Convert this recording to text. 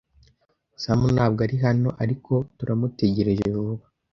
Sam ntabwo ari hano, ariko turamutegereje vuba.